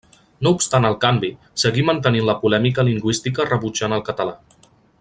No obstant el canvi, seguí mantenint la polèmica lingüística rebutjant el català.